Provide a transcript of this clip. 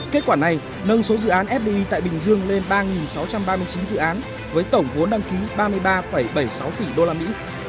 kết quả này nâng số dự án fdi tại bình dương lên ba sáu trăm ba mươi chín dự án với tổng vốn đăng ký ba mươi ba bảy mươi sáu tỷ đô la mỹ